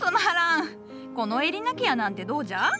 このエリナケアなんてどうじゃ？